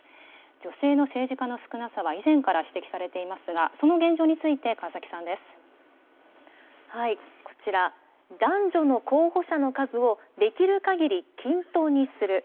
女性の政治家の少なさは以前から指摘されていますが、その現状にこちら、男女の候補者の数をできるかぎり均等にする。